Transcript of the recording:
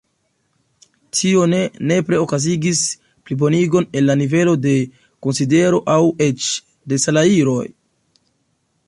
Tio ne nepre okazigis plibonigon en la nivelo de konsidero aŭ eĉ de salajroj.